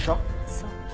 そう。